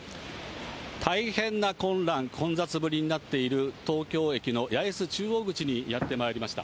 大変な混乱、混雑ぶりになっている、東京駅の八重洲中央口にやってまいりました。